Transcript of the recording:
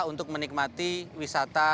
untuk menikmati wisata